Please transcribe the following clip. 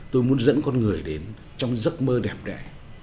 tôi muốn dẫn con người đến trong giấc mơ đẹp đẽ